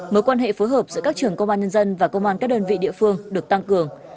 mối quan hệ phối hợp giữa các trường công an nhân dân và công an các đơn vị địa phương được tăng cường